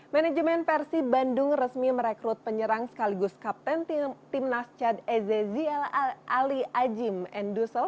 manajemen persib bandung resmi merekrut penyerang sekaligus kapten tim nas chad ezeziel ali ajin endusel